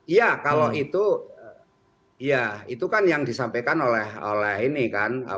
iya kalau itu ya itu kan yang disampaikan oleh ini kan